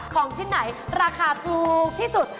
ของชิ้นไหนราคาถูกที่สุด